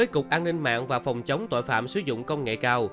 cục an ninh mạng và phòng chống tội phạm sử dụng công nghệ cao